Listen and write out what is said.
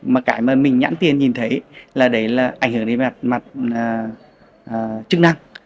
mà cái mà mình nhãn tiền nhìn thấy là đấy là ảnh hưởng đến mặt chức năng